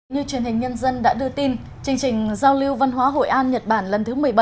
như truyền hình nhân dân đã đưa tin chương trình giao lưu văn hóa hội an nhật bản lần thứ một mươi bảy